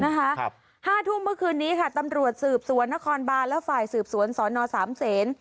ห้าทุ่มเมื่อคืนนี้ค่ะตำรวจสืบสวนนครบานและฝ่ายสืบสวนสอนอสามเศษ